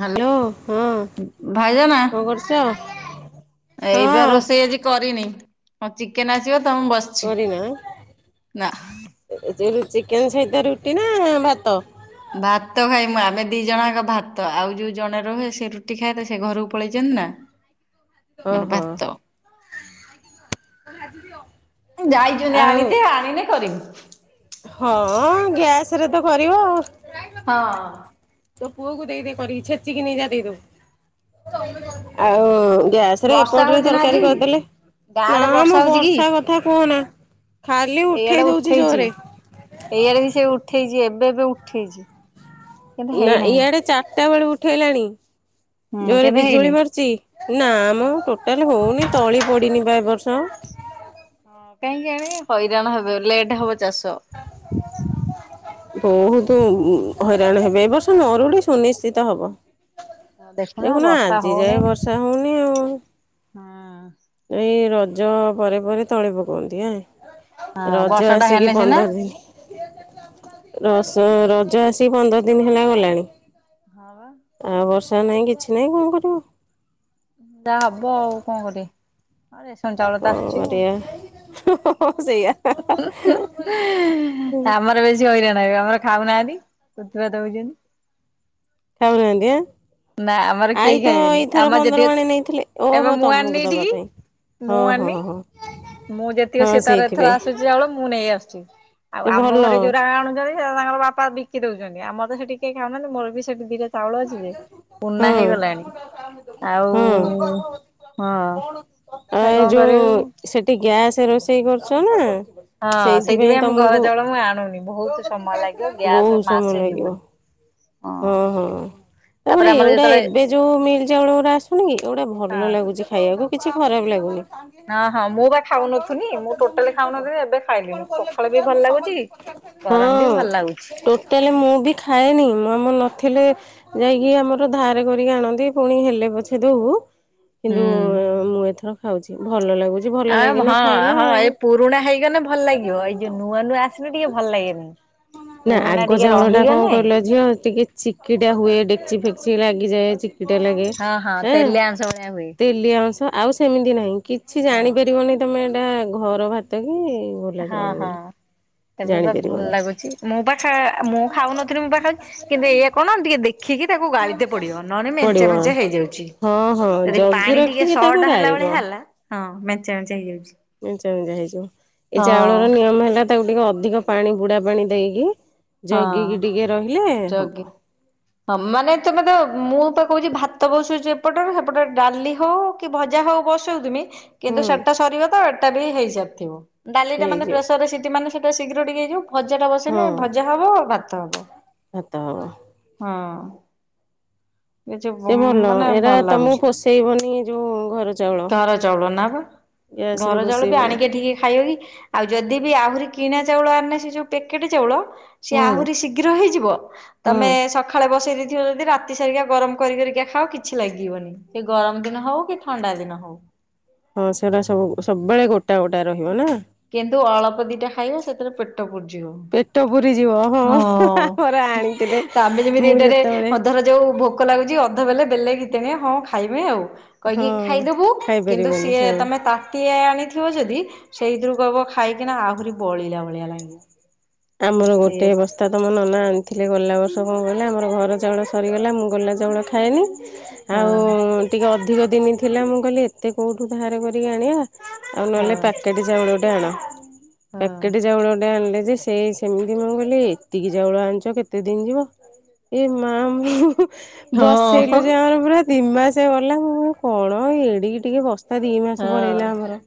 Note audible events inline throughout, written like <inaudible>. Hello ଉଁ, ଭାଉଜ ନା? କଣ କରୁଛ? ଏଇବା ହଁ ରୋଷେଇ ଆଜି କରିନି। ହଁ ଚିକେନ୍ ଆସିବ ତ ମୁଁ ବସିଛି। କରିନା ନା ଯେ ରୁ-ଚିକେନ୍ ସହିତ ରୁଟି ନା ଭାତ? ଭାତ ଖାଇମୁ ଆମେ ଦି ଜଣ ଯାକ ଭାତ। ଆଉ ଯୋଉ ଜଣେ ରହେ ସେ ରୁଟି ଖାଏ ତ ସେ ଘରକୁ ପଳେଇଚନି ନା। <inaudible> ମୋର ଓହୋ। ଭାତ। ଏ ଯାଇଚନ୍ତି ଆଉ ଆଣିତେ। ଆଣିନେ କରିବୁ। ହଁ ଗ୍ୟାସ୍ ରେ ତ କରିବ। ହଁ। ତୋ ପୁଅକୁ ଦେଇଦେ କରିକି। ଛେଚିକି ନେଇ ଯା ଦେଇଦବୁ। ଆଉ ଗ୍ୟାସ୍ ରେ ବର୍ଷା ଏପଟରେ ହଉଛି ନା ଆଜି ତରକାରୀ କରିଦେଲେ। ଗାଁ ନା ଆଡେ ମୋ ହଉଛି କି? ବର୍ଷା କଥା କୁହନା। ଖାଲି ଉଠେଇ ଦଉଚି ଜୋରେ। ଏଇଆରେ ବି ସେ ଉଠେଇଚି ଏବେ ଏବେ ଉଠେଇଛି। କିନ୍ତୁ ନା ହେଇନାହିଁ ଇଆଡେ ଚାରଟା ବେଳୁ ଉଠେଇଲାଣି। ହୁଁ ଜୋରେ କେବେ ବିଜୁଳି ହେଇନି। ମାରୁଚି। ନା ହଁ ମୋ ଟୋଟାଲ ହଉନି ତଳି ପଡିନି ବା ଏ ବର୍ଷ। <unintelligible> ହଁ କାହିଁକି କିଆଣେ ହଇରାଣ ହେବ। ଲେଟ୍ ହବ ଚାଷ। ବହୁତୁ ଉଁ, ହଇରାଣ ହେବେ ଏ ବର୍ଷ ମରୁଡି ସୁନିଶ୍ଚିତ ହବ। ହଁ ଦେଖୁନ ବର୍ଷା ଆଜି ଯାଏ ବର୍ଷା ହଉନି ଆଉ। ହଁ। ଏଇ ରଜ ପରେ ପରେ ତୋଳି ପକନ୍ତି ଆ,। ହଁ ରଜ ବର୍ଷା ଟା ଆସିକି ହେଲେ ସିନା ପନ୍ଦର ଦିନ, ରସ ରଜ ଆସିିକି ପନ୍ଦର ଦିନ ହେଲା ଗଲାଣି। ହଁ ବା। <unintelligible> ନାଇଁ କିଛି ନାଇଁ କଣ କରିବୁ? ଯାହା ହବ ଆଉ କଣ କରିବେ। ହଁ ରେସନ ଚାଉଳ ତ କଣ ଆସୁଚି ଆଉ। କରିବା। ହଁ ସେଇଆ। ଆମର <unintelligible> ଆମର ଖାଉନାହାନ୍ତି ଉତପାତ ହଉଚନ୍ତି। ଖାଉନାହାନ୍ତି ଆଁ। ନା ଆମର ଆଈ କେହି ତ ଖାଇବେନି। ଏଇଥର ଆମ ପନ୍ଦର ଯେତିକ ମାଣେ ନେଇଥିଲେ ଏବେ ଓହୋ ମୁଁ ତମକୁ ଆଣିନି ଦବା ଏଠିକି। ପାଇଁ। ହଁ ମୁଁ ହଁ ଆନି ହଁ ମୁଁ ଯେତିକି ହଁ ସିଏ ତାର ଏଥର ସେଇଥିପାଇଁ ଆସୁଛି ଚାଉଳ ମୁଁ ନେଇ ଆସୁଛି। ଆଉ ସେ ଆମ ଭଲ ଘରେ ଯୋରା ଆଣୁଛନ୍ତି ତାଙ୍କର ବାପା ବିକି ଦଉଛନ୍ତି ଆମ ତ ସେଠି କେଏ ଖାଉନାହାନ୍ତି ମୋର ବି ସେଠି ଦିଇଟା ଚାଉଳ ଅଛି ଯେ ପୁରୁଣା ହଁ। ହେଇଗଲାଣି। ହଉ ହଁ। ଗର୍ଭବତୀ ହଁ ତା କଣ କରିବୁ? ଆ ସେ ରୋଷେଇ କରୁଛ ନା? ହଁ ସେଇଥିପାଇଁ ଆମ ଘର ଚାଉଳ ମୁଁ ଆଣୁନି। ବହୁତ ସମୟ ଲାଗିବ ଗ୍ୟାସ ବହୁତ ମାସେ ଯିବନି। ଓ ହଁ ହୋ। ତାପରେ ଆମର ଏଉଡା ଯେତେବେଳେ ଏବେ ଯୋଉ ମିଲ ଚାଉଳ ଏଉରା ଆସୁନି କି ଏଗୁଡା ଭଲ ହଁ ଲାଗୁଛି ଖାଇବାକୁ କିଛି ଖରାପ ଲାଗୁ ସାଙ୍ଗେ ହଁ ହଁ ସାଙ୍ଗ ମୁଁ ବା ଖାଇବାକୁ <unintelligible> ଖାଉନଥୁନି ଳକୁ ମୁଁ ତତେ ଟୋଟାଲି ରିପୋର୍ଟ ଖାଉନଥିଲି ଏବେ ତୁ ଖାଇଲିଣି କଣ ପଖାଳ ବି କଲେକ୍ଟ ଭଲ ମୁଁ ଲାଗୁଛି ସମ ଗରମ ବି ଭଲ ଲାଗୁଛି ହୁଁ ଟୋଟାଲି ମୁଁ ବି ଖାଏନି। ମାମୁଁ ନଥିଲେ ଯାଇକି ଆମର ଧାର କରିକି ଆଣନ୍ତି ପୁଣି ହେଲେ ପଛେ ଦଉ। କିନ୍ତୁ ହୁଁ। ମୁଁ ଏଥର ଖାଉଛି ଭଲ ଲାଗୁ ଆ ଭା ହଁ ଏଇ ପୁରୁଣା ହେଇଗଲେ ଭଲ ଲାଗିବ ଏଇ ଯୋଉ ନୂଆ ନୂଆ ଆସିନେ ଟିକେ ଭଲ ଲାଗେନି। ନା ପୁରୁଣା ଆଗ ଟିକେ ଚାଉଳ ଟା କଣ ରହିଗଲେ କିଲ ଝିଅ ଟିକେ ଚି ଚିକିଟା ହୁଏ ଡେକଚି ଫେକ୍ଚି ଲାଗିଯାଏ ଚିକିଟା ଲାଗେଁ ହଁ ହଁ ଆ। ତେଲିଆ ଅଂଶ ଭଳିଆ ହୁଏ ତେଲିଆ ଅଂଶ ଆଉ ସେମିତି ନାହିଁ କିଛି ହଁ ଜାଣିପାରିବନି ତମେ ଏଇଟା ଘର ଭାତ କି ଗୋଲା ଚାଉଳ ବୋଲି। ତେବେ ତ ଭଲ ଜାଣିପାରିବନି। ଲାଗୁଛି ମୁଁ ତ ଖାଏ ମୁଁ ଖାଉନଥିଲି ମୁଁ ପା ଖାଉ କିନ୍ତୁ ଏଇଆ କଣ ଟିକେ ଦେଖିକି ତାକୁ ଗାଳିିତେ ପଡିବ ନହେଲେ ମେଞ୍ଚେ ପଡିବ ମେଞ୍ଚେ ହେଇଯାଉଛି ହଁ ହଁ ଯଦି ଜଗି ପାଣି ଟିକେ ରଖିକି ତାକୁ ସର୍ଟ ହେଲା ଗାଳିବ ଭଳିଆ ହେଲା ଲା ହଁ ମେଞ୍ଚା ମେଞ୍ଚା ହେଇଯାଉଛି। ମେଞ୍ଚା ମେଞ୍ଚା ହେଇଯିବ ଏଇ ହଁ ଚାଉଳର ନିୟମ ହେଲା ତାକୁ ଟିକେ ଅଧିକ ପାଣି ବୁଡା ପାଣି ଦେଇକି ହଁ ଜଗିକି ଟିକେ ରହିଲେ ଜଗି ହବ। ହଁ ମାନେ ତମେ ତ ମୁଁ ପା କହୁଛି ଭାତ ବସୁଛି ଏପଟରେ ସେପଟ ଡାଲି ହଉ କି ଭଜା ହଉ ବଶୁଥିମି ହୁଁ କିନ୍ତୁ ସେଟା ସରିବ ତ ଏଟା ବି ହେଇସାରିଥିବ ଡାଲି ଟା ମାନେ ହେଇଯିବ ପ୍ରେସର ସିଟି ମାନେ ସି ଟେ ଶୀଘ୍ର ଟିକେ ହେଇଯିବ ଭଜା ବସେଇନେ ହଁ ଓ ଭାତ ହବ। ଭାତ ହବ। ହଁ। ଏ ଯୋଉ ସେ ମ ଭଲ ମାନେ ଏରା ଭଲ ତମକୁ ଲାଗୁଛି ପୋଷେଇବନି ଯୋଉ ଘର ଚାଉଳ। ଦର ଚାଉଳ ନା ପା ଗ୍ୟାସ ରେ ଘର ଚାଉଳ ପି ପୋଷେଇବନି ଆଣିକି ଠିକେ ଖାଇବ ପି ଆଉ ଯଦି ବି ଆହୁରି କିଣା ଚାଉଳ ଆଣିନେ ସେ ଯୋଉ ପ୍ୟାକେଟ୍ ଚାଉଳ ସିଏ ହୁଁ ଆହୁରି ଶୀଘ୍ର ହେଇଯିବ ହୁଁ ତମେ ସଖାଳେ ବସେଇ ଥିବ ଯଦି ରାତି ସାରିକା ଗରମ କରି କରିକି ଖାଅ କିଛି ଲାଗିବନି ସେ ଗରମ ଦିନ ହଉ କି ଥଣ୍ଡା ଦିନ ହଉ। ହଁ ସେଟା ସବୁ ସବୁବେଳେ ଗୋଟା ଗୋଟା ରହିବ ନା? କିନ୍ତୁ ଅଳପଦି ଟା ଖାଇବ ସେଥିରେ ପେଟ ପୁ ଯିବ ପେଟ ପୁରିଯିବ ହଁ ଆମର ହଁ ଆଣିଥିଲେ ଆମେ ଯେମିତି ମୁଁ ଏଟାରେ ଯେତେବେଳେ ଅଧର ଯୋଉ ଭୋକ ଲାଗୁଛି ଅଧ ବେଲେ ବେଲେ ଘିତି ଆଣିବେ ହଁ ଖାଇବେ ଆଉ କଇକି ହଁ ଖାଇଦବୁ କିନ୍ତୁ ଖାଇପାରିବନି ସିଏ ହଁ। ତମେ ତା ପୁଅ ଅ ବ ଯଦି ସେଇ ଦୁ ଡବ ଖାଇକିନା ଆହୁରି ବଳିଲା ଭଳିଆ ଲାଗିଲା ଆମର ଗୋଟେ ବସ୍ତା ତମର ନନା ଆଣି ହେଲେ ଗଲା ବର୍ଷ କଣ ଗଲା ଆମର ଘର ଚାଉଳ ସରିଗଲା ମୁଁ ଗଲା ଚାଉଳ ଖାଏନି। ଆଉ ଟିକେ ଅଧିକ ଦିନ ଥିଲା ମୁଁ କହିଲି ଏତେ କୋଉଠୁ ଧାରେ କରିକି ଆଣିବା ଆଉ ହଁ ନହେଲେ ପ୍ୟାକେଟ ଚାଉଳ ଟା ଆଣ ପ୍ୟାକେଟ ଚାଉଳ ଟେ ଆଣିଲେ ସେ ସେମିତି ମୁଁ କହିଲି ଏତିକି ଚାଉଳ ଆଣିଛ କେତେ ଦିନ ଯିବ ଏ ମା ମୁଁ ହୁଁ ହୁଁ। ହଁ ବସେଇଲୁ ଯେ ଆଉ ପୁରା ଦି ମାସେ ଗଲା ମୁଁ କଣ ଏଡିକି ଟିକେ ବସ ତା ଦି ମାସ ପଳେଇଲା ହଁ। ଆମର।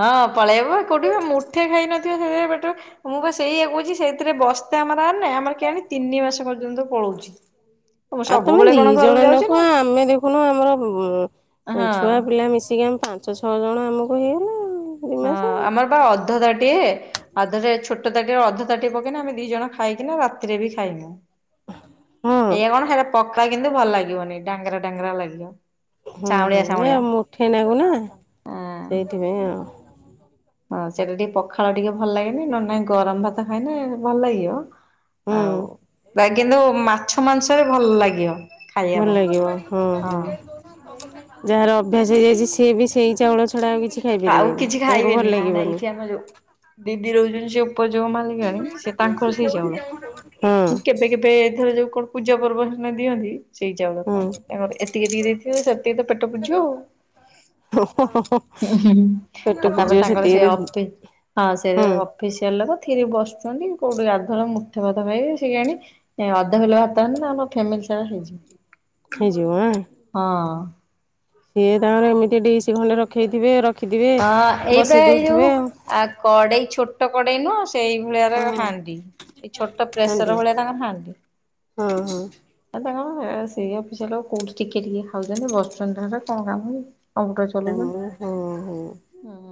ହଁ ପଳେଇବ କୋଉଠି ମୁଠେ ଖାଇ ନଥିବ <unintelligible> ପେଟ ମୁଁ ପା ସେଇୟା କହୁଛି ସେଥିରେ ବସ୍ ଆମର ଆଣିନେ ଆମର କେ ଆଣି ତିନି ମାସ ପର୍ଯ୍ୟନ୍ତ ପଳଉଛି। ମୁଁ ଆଉ ତମେ ସବୁବେଳେ ଦି କଣ ଘରକୁ ଜଣ ଯାଉଛି ନା ଲୋକ ଆମେ ଦେଖୁନ ଆମର ଉ ଛୁଆ ହଁ। ପିଲା ମିଶିକି ଆମେ ପାଞ୍ଚ ଛଅ ଜଣ ଆମକୁ ହେଇଗଲା ଆଉ। ଦି ମାସେ। ହଁ ଆମର ବା ଅ ଅଧ ତାଟିଏ ଆଉ ତା ଦେହରେ ଛୋଟ ତାଟିରେ ଅଧ ତାଟିଏ ପକେଇନା ଆମେ ଦି ଜଣ ଖାଇକିନା ରାତିରେ ବି ଖାଇନୁ। ହଁ ଏଇଆ କଣ ସେଇଟା ପଖାଳ କିନ୍ତୁ ଭଲ ଲାଗିବନି ଡାଙ୍ଗରା ଡାଙ୍ଗରା ଲାଗିବ। ହୁଁ ହୁଁ ଚାଉଁଳିଆ ଏ ଚାଉଁଳିଆ। ମୁଠେଇ ନାଗୁନା ସେଇଥିପାଇ ଆଉ। ହଁ ସେଟା ଟିକେ ପଖାଳ ଟିକେ ଭଲ ଲାଗେନି ନ ନାଇଁ ଗରମ ଭାତ ଖାଇନେ ଭଲ ଲାଗିବ। ହୁଁ ଆଉ କିନ୍ତୁ ମାଛ ମାଂସରେ ଭଲ ଲାଗିବ। ଖାଇବା ଭଲ ପାଇଁ ଲାଗିବ ହଁ ହଁ। ଯାହାର ଅଭ୍ୟାସ ହେଇଯାଇଛି ସିଏ ବି ସେଇ ଚାଉଳ ଛଡା ଆଉ କିଛି ଆଉ ଖାଇପାରିବେନି କିଛି ତାଙ୍କୁ ଭଲ ଖାଇବିନି ନା ନା ଲାଗିବନି। ଏଇଠି ଆମର ଯୋଉଁ ଦିଦି ରହୁଛନ୍ତି ସେ ଉପଯୋଗ ମାନିଲାନି ସେ ତାଙ୍କର ସେଇ ହଁ ଚାଉଳ କେବେ କେବେ ଏଥର ଯୋଉଁ କଣ ପୂଜା ପର୍ବ ହେଲେ ଦିଅନ୍ତି। ସେଇ ଚାଉଳ ହୁଁ ଖାନ୍ତି ତାଙ୍କର ଏତିକି ଦି ଦେଇଥିବ ସେତିକି ତ ପେଟ ପୁଝିବ ଆଉ। ଓ ହଁ ହଁ। ଉହୁଁ ଆଉ ତାପରେ ତାଙ୍କର ସେ ହୁଁ ଅପି ହଁ ସେ ଅଫିସିଆଲ ଥିରି ବସୁଛନ୍ତି। କୋଉଁଠି ଆର ଥର ମୁଠେ ଭାତ ଖାଇ ସେ ଆଣି ଅଧ କିଲୋ ଭାତ ଆଣ ଆମ ଫ୍ୟାମିଲି ସାରା ହେଇଯିବ। ହେଇଯିବ ଆଁ। ହଁ। ସିଏ ତାଙ୍କର ଏମିତି ଡିଶି ଖଣ୍ଡେ ରଖେଇଥିବେ। ରଖିଥିବେ ହଁ ବସେଇ ଏଇପା ଏଇ ଦଉଥିବେ ଯୋଉଁ ଆଉ କଡେଇ ଛୋଟ କଡେଇ ନୁହଁ। ସେଇ ଭଳିଆରେ ହଁ ହାଣ୍ଡି ଏଇ ଛୋଟ ହାଣ୍ଡି ପ୍ରେସର ଭଳିଆ ତାଙ୍କର ହାଣ୍ଡି। ହଁ ହଁ। ଏତେ କଣ ସେଇ ଅଫିସ କୋଉଁଠି ଟିକେ ଟିକେ ଖାଉଛନ୍ତି ବସୁଛନ୍ତି ହେଟେ କଣ କାମ କି। <unintelligible> ଚଲବ ଆମର ହଁ ହଁ ହୁଁ।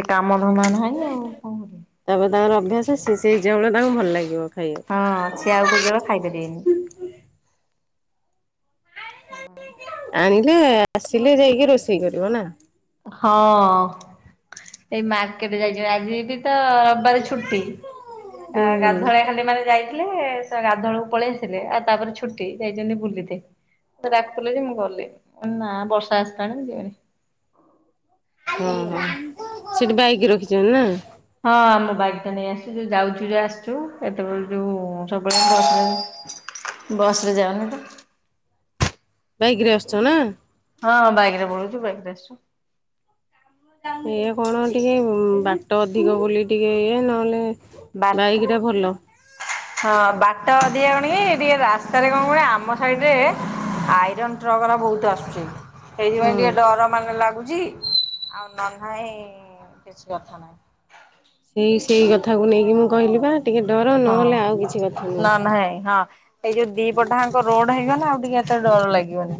ଏ କାମ ଧନ୍ଦା ନାହିଁ ଆଉ କଣ କରିବେ? ତାପରେ ତାଙ୍କର ଅଭ୍ୟାସ ସେଇ ଚାଉଳ ତାଙ୍କୁ ଭଲ ଲାଗିବ। ଖାଇବାକୁ ହଁ ସେ ଆଉ କୋଉଁ ଚାଉଳ ଖାଇପାରିବେନି। ହଁ। ଆଣିଲେ ଆସିଲେ ଯାଇକି ରୋଷେଇ କରିବ ନା। ହଁ ଏଇ ମାର୍କେଟ ଯାଇଛି ଆଜି ବି ତ ରବିବାର ଛୁଟି। ଆ ହୁଁ ହୁଁ ଗାଧଳିଆ ଖାଲି ମାନେ ଯାଇ ଥିଲେ ସେ ଗାଧଉଳକୁ ପଳେଇ ଆସିଥିଲେ ଆଉ ତାପରେ ଛୁଟି ଯାଇଛନ୍ତି ବୁଲିତେ। ମତେ ଡାକୁୁଥିଲେ ଯେ ମୁଁ ଗଲିନି ନାଁ ବର୍ଷା ଆସିଲାଣି ମୁଁ ଯିବିନି। ହୁଁ କହିକି ଗଲିନି। ସେଠି ବାଇକି ରଖିଛନ୍ତି ନା। ହଁ ଆମ ବାଇକ ଟା ନେଇ ଆସିଛୁ ଯୋଉଁ ଯାଉଛୁ ଯେ ଆସିଛୁ ଏତେବେଳେ ଯୋଉଁ ସବୁବେଳେ ବସ ରେ ଯାଅନି ତ? ବାଇକରେ ଆସୁଚ ନା? ହଁଁ ବାଇକ ରେ ପଳଉଚୁ ବାଇକ ରେ ଆସୁଚୁ। ଇଏ କଣ ଟିକେ ବାଟ ଅଧିକ ବୋଲି ଟିକେ ଇଏ ନହେଲେ ବାଟ ବାଇକ୍ ଟା ଭଲ ହଁ ବାଟ <unintelligible> ଟିକେ ରାସ୍ତାରେ କଣ କହେ ଆମ ସାଇଡ ରେ ଆଇରନ୍ ଟ୍ରକ ରା ବହୁତ ଆସୁଛି ସେଇଥିପାଇଁ ହଁ ଟିକେ ଡର ମାନେ ଲାଗୁଛି ଆଉ ନ ନାଇଁ କିଛି କଥା ନାହିଁ। ସେଇ ସେଇ କଥାକୁ ନେଇକି ମୁଁ କହିଲି ପା। ହଁ ନା ନାଇଁ ହଁ ଏଇ ଯୋଉଁ ଦିପଟ ରୋଡ ହେଇଗଲା ଆଉ ଟିକେ ଏତେ ଡର ଲାଗିବନି।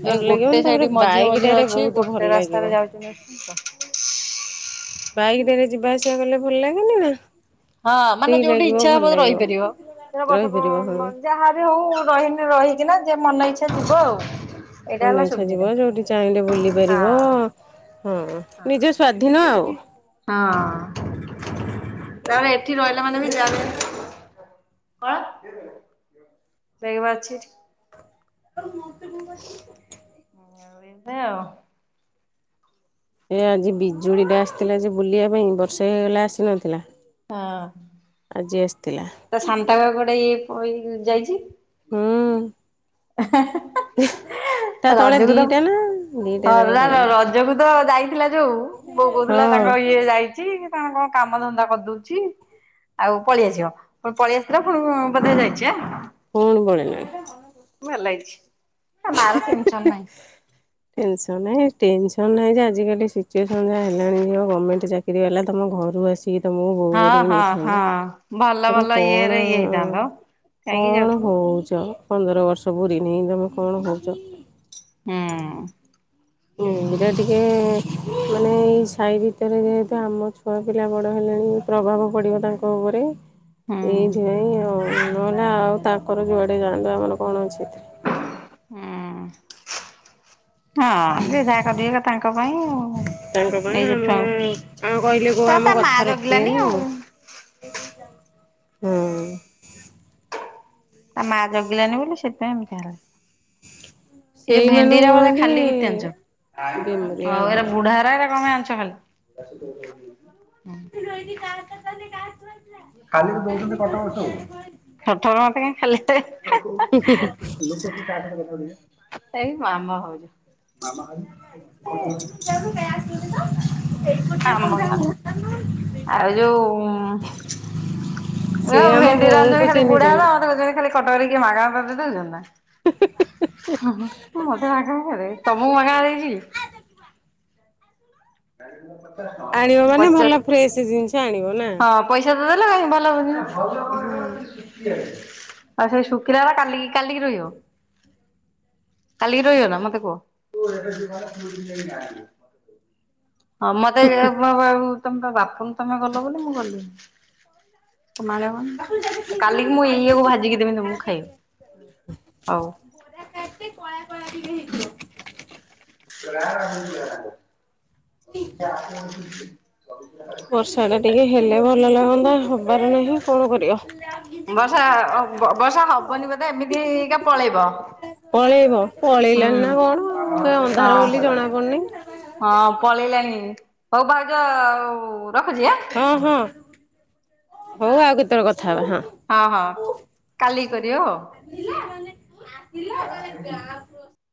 ଡର ଏଇ ଗୋଟେ ଲାଗିବନି ତାପରେ ସାଇଡ ମଝିରେ ବାଇକ୍ ମଝିରେ ଟାରେ ଅଛି ବହୁତ ଭଲ ଗୋଟେ ଲାଗିବ। ରାସ୍ତାରେ ଯାଉଛନ୍ତି ‌। ବାଇକ ଟାରେ ଯିବା ଆସିବା କଲେ ଭଲ ଲାଗେନି ନା। ହଁ ଫ୍ରି ମାନେ ଯୋଉଁଠି ଲାଗିବ ଇଚ୍ଛା ଭଲ ହବ ଲାଗିବ। ରହିପାରିବ। ରହିପାରିବ ହଁ ବର୍ଷ ଯାହା ବି ହଉ ରହିନି ରହିକିନା ମନ ଇଛା ଯିବ ଆଉ। ଏଇଟା ହେଲା ମନଇଛା ସୁବିଧା ଯିବ ଯୋଉଠି ଚାହିଁଲେ ବୁଲି ହଁ। ପାରିବ। ହଁ ହଁ ନିଜ ସ୍ଵାଧୀନ ଆଉ। ହଁ- ନାଇଁ ଏଠି ରହିଲା ମାନେ ବି ଯାଇ କଣ ବେଗ ବା ଅଛି ଏଠି। ଆଉ ମ ତେ ବୋଉ କରିଥାନ୍ତ। ହଁ ଏମିତି ଆଉ। ଏ ଆଜି ବିଜୁଳିଟା ଆସିଥିଲା ଯେ ବୁଲିବା ପାଇଁ, ବର୍ଷେ ହେଇଗଲା ଆସିନଥିଲା। ଆଜି ଆସିଥିଲା ତା ସାନ୍‌ଟା ବା କୁଆଡେ ଇଏ ପଳେଇଯାଇଛି? ହୁଁ। ତା <unintelligible> ତଳେ ରଜକୁ ତ ଦିଟା ନା ଦିଟା ହେ ଯାକ <unintelligible> ପଳେଇଲା ରଜକୁ ତ ଯାଇ ଥିଲା ଯୋଉ, ବୋଉ କହୁଥିଲା ତାଙ୍କର ହଁ ଇଏ ଯାଇଚି। କଣ କଣ କାମ ଧନ୍ଦା କରିଦଉଚି ଆଉ ପଳେଇଆସିବ, ପୁଣି ପଳେଇ ଆସିଥିଲା ଫୁଣି କଣ ପୁଣି ପଳେଇଲାଣି। ଭଲ ହେଇଛି, ତା ମାର ଟେନ୍‌ସନ୍ ନାହିଁ। ଟେନ୍‌ସନ୍ ନାହିଁ ଟେନ୍‌ସନ୍ ନାହିଁ ଯେ ଆଜି କାଲି ସିଚୁଏସନ୍‌ ଯାହା ହେଲାଣିି, ଯୋ ଗମେଣ୍ଟ ଚାକିରିଆ ବାଲା ତମ ଘରୁ ଆସି କି ତମକୁ ବୋହୁ ହଁ କରିକି ହଁ ହଁ ନେଇଥାନ୍ତେ। ଭଲ ତମେ ଭଲ କଣ ଇଏରେ ଇଏ ଅ ହେଇଥାନ୍ତ କାହିଁକି କଣ ଯାଉଥିବ ହଉଚ ପନ୍ଦର ବର୍ଷ ପୁରିନି, ତମେ କଣ ହଉଚ? ହୁଁ। ହୁଁ। ଏଇଟା ଟିକେ ମାନେ ଏଇ ସାହି ଭିତରେ ଯେହେତୁ, ଆମ ଛୁଆ ପିଲା ବଡ଼ ହେଲେଣି ପ୍ର ପ୍ରଭାବ ପଡିବ ତାଙ୍କ ଉପରେ। ହୁଁ ଏଇଥିପାଇଁ ଆଉ ନହେଲେ ଆଉ, ତାଙ୍କର ଯୁଆଡେ ଯାଆନ୍ତୁ ଆମର କଣ ଅଛି। ଏଥିରେ ହୁଁ- ହଁ ଯିଏ ଯାହା କରିବେ ତାଙ୍କ <unintelligible> ତାଙ୍କ ଗାଁ, ନେଇଯ ଆମେ ଛୁଆଙ୍କୁ ଆମେ କହିଲେ କୋଉ ତା ଆମ ତା ମା କଥା ରଖିବେ ଜଗିଲାନି ନା ଆଉ କଣ? ହୁଁ। ତା ମା ଜଗିଲାନି ବୋଲି ସେଥିପାଇଁ ଏମିତି ହେଲେ। ଏ ଯୋଉ ସେଇମାନଙ୍କୁ ଭେଣ୍ଡିର କୁହନ୍ତି ଖାଲି ଘିତି ଆଣିଛ। ବିମରିଆ ଆଉ ଏଗୁଡା ଘର। ବୁଢା ଆରା ଯା କଣ ଆଣିଛ ଖାଲି? କଣ ଏମିତି ରହିଛି? କାତ ତାନି କାତୁ ରହିଵୁ। ଖାଲି ବି ଦଉଛନ୍ତି କଟକ ସବୁ। କଥା ହେବା ପାଇଁ ଖାଲି ହେଁ -ହେ। ଏଇ ମାମା ଭାଉଜ ଆମ ଗାଁ। ଆଉ ଯୋଉ ମୁଁ କହିଲି ସେ ହଉ ଆମ ଭେଣ୍ଡି ରାନ୍ଧିଲେ ବୋଉଙ୍କୁ ଖାଲି ବୁଢା ହବ ଚିହ୍ନିଛନ୍ତି। ଅଧ କେଜିଟେ, ଖାଲି କଟକରେ କିଏ ମାଗଣା ତତେ ଦେଉଚନ୍ତି ନା। ହୁଁ- ହୁଁ ମତେ ମଗେଣା ଦେଲେ, ତମକୁ ମଗେଣା ଦେଇଚି କି? <unintelligible> ଆଣିବ ମାନେ ପଚାଶ ଭଲ ଫ୍ରେଶ୍‌ ଜିନିଷ ଆଣିବ। ନା। ହଁ ପଇସା ତ ଦେଲ ଭଲ ଆଉ ହୁଁ। ସେ ଶୁଖିଲା ବା କାଲି କାଲିକି ରହିବ। କାଲିକି ରହିବ ନା ମତେ କୁହ। ହଁ ମତେ <unintelligible> ତମ ବାପଙ୍କ ତମେ ଗଲ ବୋଲି ମୁଁ ଗଲି। କାଲିକି ମୁଁ ଏଇଆକୁ ଭାଜିକି ଦେବି ତମକୁ ଖାଇଆକୁ। ହଉ। <unintelligible> କଳା କଳା ଟିକେ ହେଇିଥିବ। <unintelligible> ବର୍ଷାଟା ଟିକେ ହେଲେ ଭଲ ଲାଗନ୍ତା, ହବାର ନାହିଁ କଣ କରିବ। ବର୍ଷା ପଳେଇ ବ ବର୍ଷା ହବନି ପଳେଇଲାଣିି ବୋଧେ ନା ଏମିତିକା ପଳେଇବ। କଣ ଆଉ, ଏ ହୁଁ ଅନ୍ଧାର ବୋଲି ହଁ ଜଣା ପଡୁନେଇ। ହଁ ପଳେଇଲାଣି ହୋଉ ଭାଉଜ ଆଉ ହଁ ହଁ ହୋଉ ଆଉ କେତେବେଳେ କ ହଁ ହଁ କାଲିକି <inaudible>